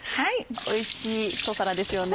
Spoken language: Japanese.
おいしい一皿ですよね。